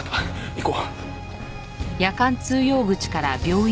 行こう。